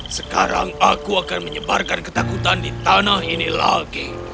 sekarang aku akan menyebarkan ketakutan di tanah ini lagi